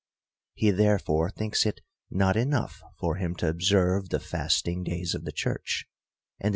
He therefore thinks it not enough for him to observe the fasting days of the church, and the THE COUNTRY PARSON.